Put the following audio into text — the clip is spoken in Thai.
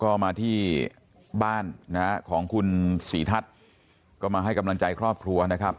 ก็มาที่บ้านนะฮะของคุณศรีทัศน์ก็มาให้กำลังใจครอบครัวนะครับ